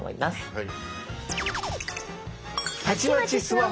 はい。